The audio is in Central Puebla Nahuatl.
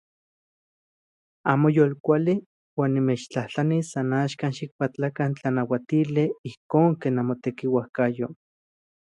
Amo yolkuali uan nimechtlajtlanis san axkan xikpatlakan tlanauatili ijkon ken namotekiuajyo.